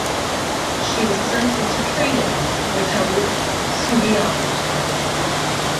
She was sent into training with Haruki Sugiyama.